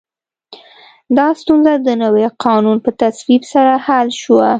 دا ستونزه د نوي قانون په تصویب سره حل شوه.